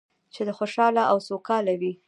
چې خوشحاله او سوکاله وي.